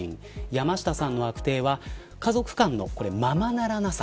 山下さんのあくてえは家族間のままならなさ。